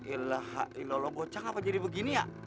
ilaha ilallah goceng apa jadi begini ya